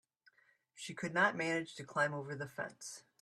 She could not manage to climb over the fence.